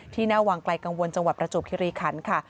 หน้าวังไกลกังวลจังหวัดประจวบคิริคันค่ะ